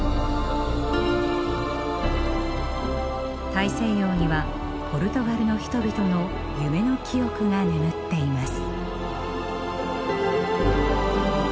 大西洋にはポルトガルの人々の夢の記憶が眠っています。